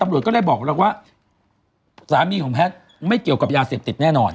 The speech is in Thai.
ตำรวจก็เลยบอกแล้วว่าสามีของแพทย์ไม่เกี่ยวกับยาเสพติดแน่นอน